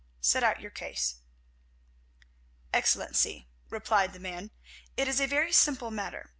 Set out your case." "Excellency," replied the man, "it is a very simple matter.